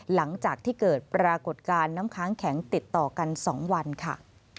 หลังจากที่เกิดปรากฏการณ์น้ำค้างแข็งติดต่อกัน๒วันค่ะ